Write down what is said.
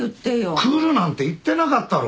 来るなんて言ってなかったろ。